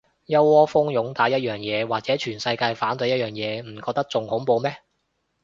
一窩蜂擁戴同一樣嘢，或者全世界反對同一樣嘢，唔覺得仲恐怖咩